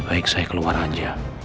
baik saya keluar aja